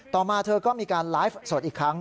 มาเธอก็มีการไลฟ์สดอีกครั้ง